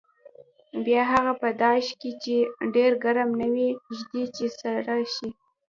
بیا هغه په داش کې چې ډېر ګرم نه وي ږدي چې سره شي.